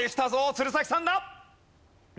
鶴崎さんだ！